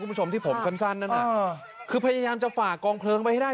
๓ตัวมีแมว๓ตัวมันช่วยอะไรไม่ได้